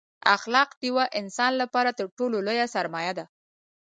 اخلاق دیوه انسان لپاره تر ټولو لویه سرمایه ده